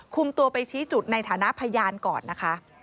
คุมตัวไปชี้จุดในฐานะพยานก่อนนะคะ